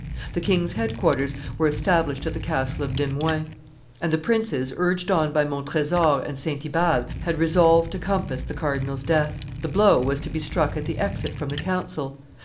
The king's headquarters were established at the castle of Demuin; and the princes, urged on by Montresor and Saint Ibal, had resolved to compass the cardinal's death. The blow was to be struck at the exit from the council.